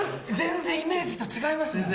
全然イメージと違います。